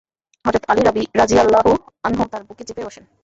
হযরত আলী রাযিয়াল্লাহু আনহু-তার বুকে চেপে বসেন।